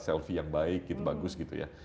selfie yang baik gitu bagus gitu ya